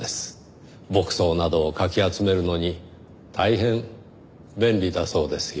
牧草などをかき集めるのに大変便利だそうですよ。